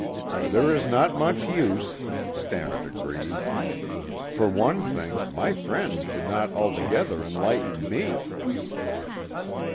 "There is not much use," Stannard agreed. "For one thing, my friends did not altogether enlighten me."